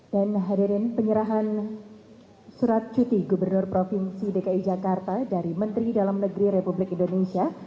dan hadirin penyerahan surat cuti gubernur provinsi dki jakarta dari menteri dalam negeri republik indonesia